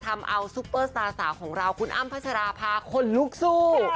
ทำเอาซุปเปอร์สตาร์สาวของเราคุณอ้ำพัชราภาคนลุกสู้